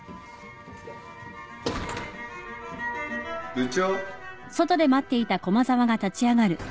部長。